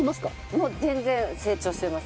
もう全然成長してます。